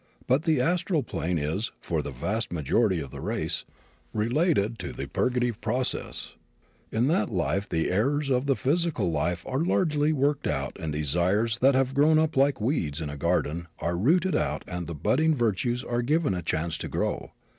But the astral plane is, for the vast majority of the race, related to the purgative process. In that life the errors of the physical life are largely worked out and desires that have grown up like weeds in a garden are rooted out and the budding virtues are given a chance to grow.